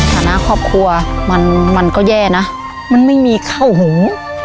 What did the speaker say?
ฐานะครอบครัวมันมันก็แย่นะมันไม่มีเข้าหู